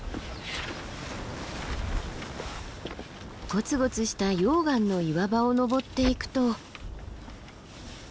ゴツゴツした溶岩の岩場を登っていくと。